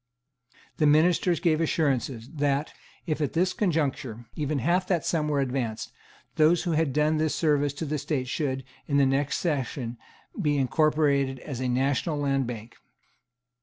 The Ministers gave assurances, that, if, at this conjuncture, even half that sum were advanced, those who had done this service to the State should, in the next session, be incorporated as a National Land Bank.